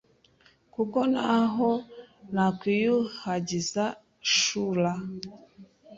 Kuko naho wakwiyuhagiza shura,